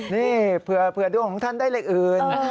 นี่เผื่อดวงของท่านได้เลขอื่น